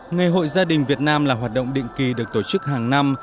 ngày hội gia đình việt nam là hoạt động định kỳ được tổ chức hàng năm